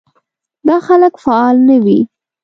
دا خلک فعال نه وي.